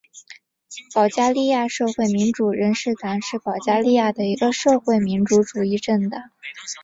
保加利亚社会民主人士党是保加利亚的一个社会民主主义政党。